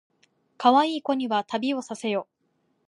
かわいい子には旅をさせよ